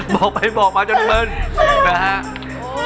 บอกไปบอกมาจนเมินเลย